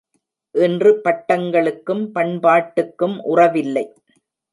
இன்று பட்டங்களுக்கும் பண்பாட்டுக்கும் உறவில்லை.